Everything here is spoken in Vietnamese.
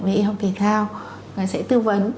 về y học thể thao sẽ tư vấn